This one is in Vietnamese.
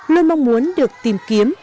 luôn mong muốn được tìm kiếm